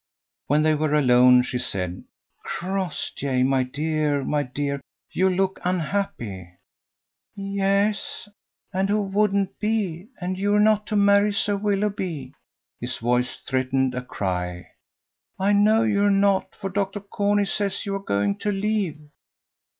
When they were alone, she said: "Crossjay, my dear, my dear! you look unhappy." "Yes, and who wouldn't be, and you're not to marry Sir Willoughby!" his voice threatened a cry. "I know you're not, for Dr. Corney says you are going to leave."